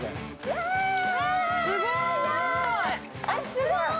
すごーい！